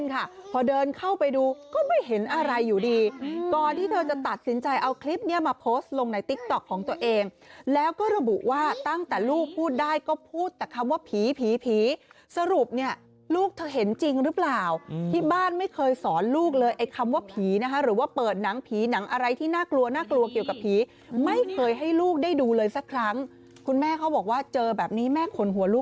ค่ะพอเดินเข้าไปดูก็ไม่เห็นอะไรอยู่ดีก่อนที่เธอจะตัดสินใจเอาคลิปเนี้ยมาโพสต์ลงในติ๊กต๊อกของตัวเองแล้วก็ระบุว่าตั้งแต่ลูกพูดได้ก็พูดแต่คำว่าผีผีสรุปเนี่ยลูกเธอเห็นจริงหรือเปล่าที่บ้านไม่เคยสอนลูกเลยไอ้คำว่าผีนะคะหรือว่าเปิดหนังผีหนังอะไรที่น่ากลัวน่ากลัวเกี่ยวกับผีไม่เคยให้ลูกได้ดูเลยสักครั้งคุณแม่เขาบอกว่าเจอแบบนี้แม่ขนหัวลูก